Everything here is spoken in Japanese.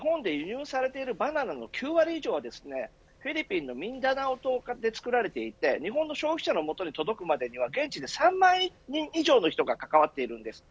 日本で輸入されているバナナの９割以上はフィリピンのミンダナオ島から作られていて日本の消費者の元に届くまでには現地で３万人以上の人が関わっています。